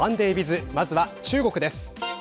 まずは中国です。